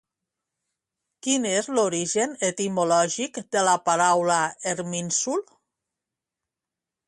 Quin és l'origen etimològic de la paraula Erminsul?